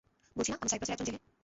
বলছি না, আমি সাইপ্রাসের একজন জেলে।